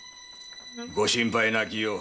ご心配なきよう。